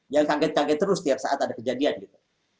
jangan kaget kaget terus setiap saat ada kejadian gitu